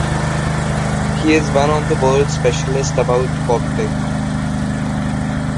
He is one of the world specialists about Coptic.